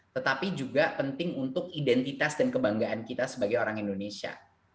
tetapi juga penting untuk identitas dan kebanggaan kita sebagai orang indonesia